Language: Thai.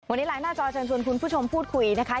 วันนี้ไลน์หน้าจอเชิญชวนคุณผู้ชมพูดคุยนะคะ